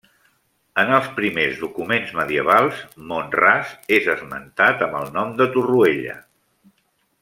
En els primers documents medievals, Mont-ras és esmentat amb el nom de Torroella.